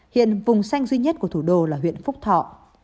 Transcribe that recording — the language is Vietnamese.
hiện vùng xanh duy nhất của thủ đô là huyện phúc thọ